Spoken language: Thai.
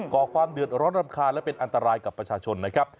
ก่อความเดือดร้อนรำคาญและเป็นอันตรายกับประชาชนนะครับ